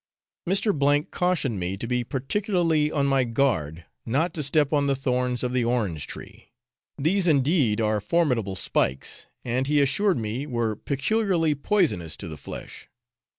Mr. K cautioned me to be particularly on my guard not to step on the thorns of the orange tree. These, indeed, are formidable spikes, and he assured me, were peculiarly poisonous to the flesh.